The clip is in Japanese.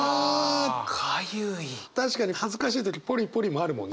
確かに恥ずかしい時ポリポリもあるもんね。